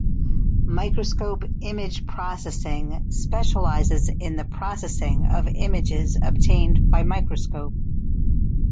Microscope image processing specializes in the processing of images obtained by microscope.